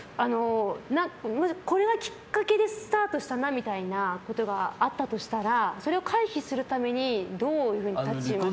これがきっかけでスタートしたなみたいなのがあったとしたらそれを回避するためにどう立ち回ったら。